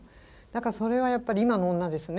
それはやっぱり今の女ですね。